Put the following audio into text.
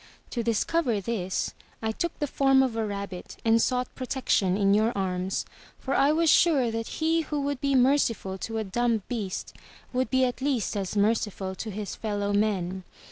To discover this, I took the form of a rabbit and sought protection in your arms, for I was sure that he who would be merciful to a dumb beast, would be at least as merciful to his fellow men.